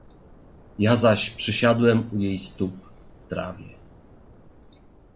"Ja zaś przysiadłem u jej stóp, w trawie."